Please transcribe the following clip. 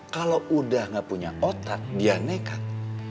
kalau udah gak punya otak dia nekat